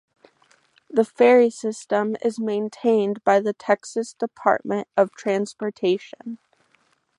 The ferry system is maintained by the Texas Department of Transportation.